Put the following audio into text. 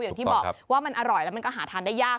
อย่างที่บอกว่ามันอร่อยแล้วมันก็หาทานได้ยาก